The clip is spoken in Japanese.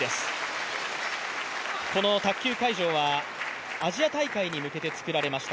卓球会場はアジア大会に向けて作られました。